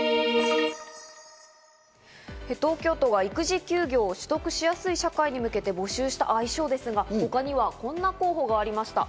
東京都が育児休業を取得しやすい社会に向けて募集した愛称ですが、他にはこんな候補がありました。